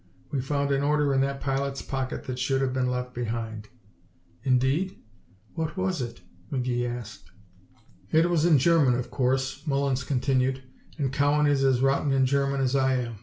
We found an order in that pilot's pocket that should have been left behind." "Indeed? What was it?" McGee asked. "It was in German, of course," Mullins continued, "and Cowan is as rotten in German as I am.